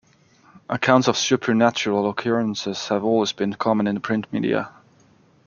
Accounts of supernatural occurrences have always been common in the print media.